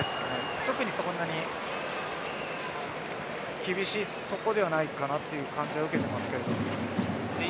特にそんなに厳しいところではないかなと受けています。